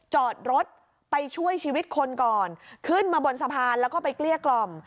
จอดรถไปช่วยชีวิตคนก่อนขึ้นมาบนสะพานแล้วก็ไปเกลี้ยกล่อม